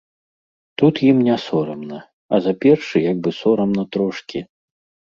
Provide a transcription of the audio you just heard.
Тут ім не сорамна, а за першы як бы сорамна трошкі.